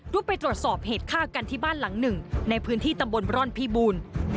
ไปตรวจสอบเหตุฆ่ากันที่บ้านหลังหนึ่งในพื้นที่ตำบลร่อนพิบูรณ์